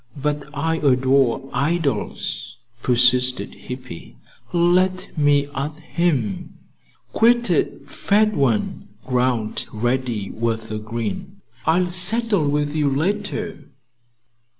"But I adore idols," persisted Hippy. "Let me at him." "Quit it, fat one!" growled Reddy, with a grin. "I'll settle with you later."